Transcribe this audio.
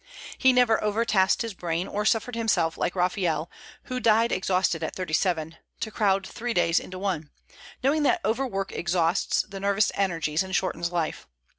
He never over tasked his brain, or suffered himself, like Raphael, who died exhausted at thirty seven, to crowd three days into one, knowing that over work exhausts the nervous energies and shortens life.